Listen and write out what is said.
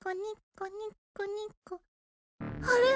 あれ？